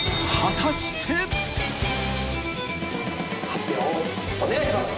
発表をお願いします。